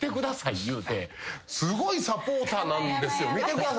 言うて「すごいサポーターなんですよ見てください」